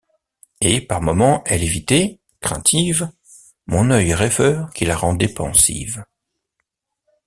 Et, par moments, elle évitait, craintive, Mon œil rêveur qui la rendait pensive.